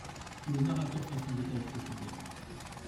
Que le narrateur fasse un détail trop complet